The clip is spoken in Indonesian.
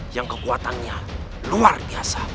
yang kekuatannya luar biasa